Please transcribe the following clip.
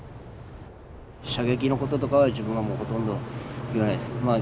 射撃のこととかは自分はもうほとんど言わないです。